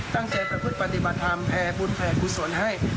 ตั้งใจประพฤติปฏิบัติภาพแผ่บุญแผ่กุศลให้